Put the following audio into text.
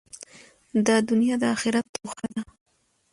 دا دؤنیا د آخرت توښه ده.